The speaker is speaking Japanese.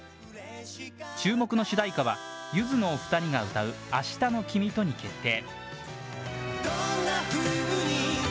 注目の主題歌はゆずのお二人が歌う「明日の君と」に決定。